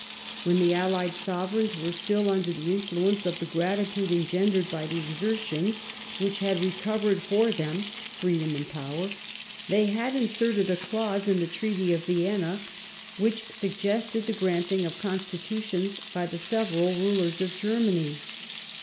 When the allied sovereigns were still under the influence of the gratitude engendered by the exertions which had recovered for them freedom and power, they had inserted a clause in the Treaty of Vienna which suggested the granting of (Constitutions by the several rulers of Germany.